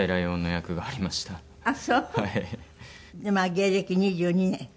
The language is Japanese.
芸歴２２年。